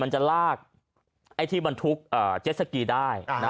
มันจะลากไอ้ที่มันทุกอ่าเจสสกีได้อ่า